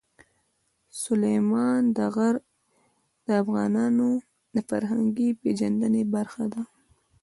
سلیمان غر د افغانانو د فرهنګي پیژندنې برخه ده.